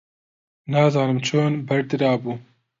نازانم چۆن بەردرابوو.